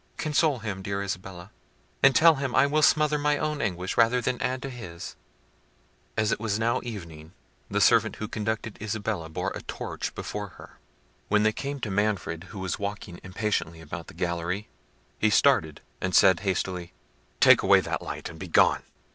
Console him, dear Isabella, and tell him I will smother my own anguish rather than add to his." As it was now evening the servant who conducted Isabella bore a torch before her. When they came to Manfred, who was walking impatiently about the gallery, he started, and said hastily— "Take away that light, and begone."